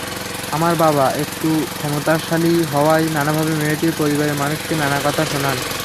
আমার বাবা একটু ক্ষমতাশালী হওয়ায় নানাভাবে মেয়েটির পরিবারের মানুষকে নানা কথা শোনান।